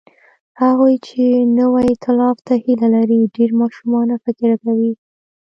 هغوی چې نوي ائتلاف ته هیله لري، ډېر ماشومانه فکر کوي.